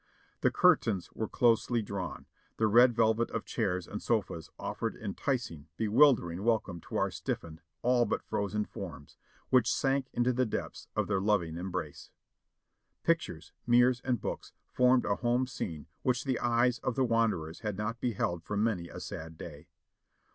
The curtains were closely drawn ; the red velvet of chairs and sofas offered enticing, bewildering welcome to our stiffened, all but frozen forms, which sank into THE SECOND ESCAPE 497 the depths of their loving embrace. Pictures, mirrors and books formed a home scene which the eyes of the wanderers had not beheld for many a sad day.